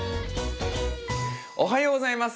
おはようございます。